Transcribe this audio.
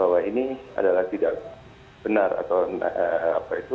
bahwa ini adalah tidak benar atau apa itu